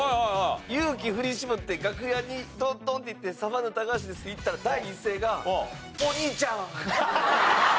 勇気振り絞って楽屋にトントンって行って「サバンナ高橋です」って言ったら第一声が「お兄ちゃん！」。